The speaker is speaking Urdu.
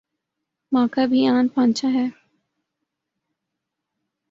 موقع بھی آن پہنچا ہے۔